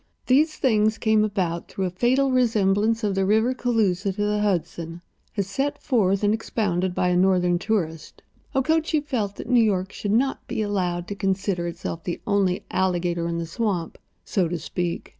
These things came about through a fatal resemblance of the river Cooloosa to the Hudson, as set forth and expounded by a Northern tourist. Okochee felt that New York should not be allowed to consider itself the only alligator in the swamp, so to speak.